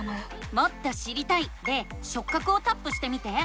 「もっと知りたい」で「しょっ角」をタップしてみて。